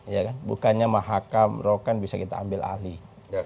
ya kan bukannya mahakam rokan bisa kita ambil alih